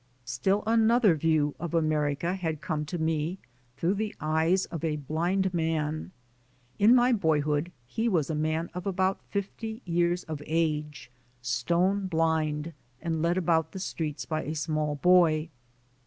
Still another view of America had come to me through the eyes of a blind man. In my boyhood, he was a man of about fifty years of age; stone blind, and led about the streets by a small boy.